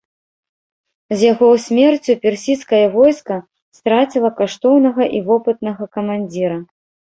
З яго смерцю персідскае войска страціла каштоўнага і вопытнага камандзіра.